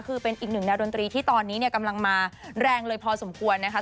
คือเป็นอีกหนึ่งแนวดนตรีที่ตอนนี้เนี่ยกำลังมาแรงเลยพอสมควรนะคะ